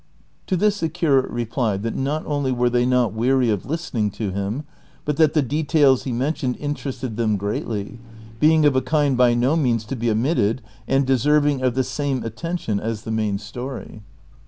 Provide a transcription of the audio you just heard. To this the curate replied that not only were tliey not weary of listening to him, but that the details he mentioned interested them greatly, being of a kind by no means to be omitted and deserving of the same attention as the main story.